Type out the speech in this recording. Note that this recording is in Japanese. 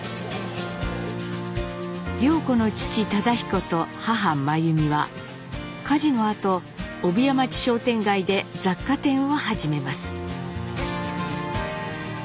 涼子の父忠彦と母眞弓は火事のあと帯屋町商店街で雑貨店を始めます。